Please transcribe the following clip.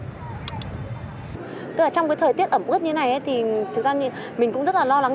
tức là trong cái thời tiết ẩm ướt như này thì thực ra thì mình cũng rất là lo lắng